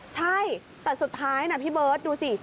ใช่แต่สุดท้ายนะพี่เบิร์ตดูสิ